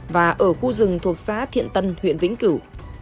và ở khu rừng thuộc xã thiện tân huyện vĩnh cửu